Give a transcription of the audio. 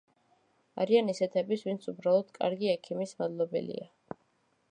არიან ისეთებიც, ვინც უბრალოდ კარგი ექიმის მადლობელია.